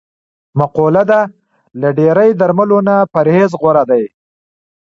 مقوله ده: له ډېری درملو نه پرهېز غور دی.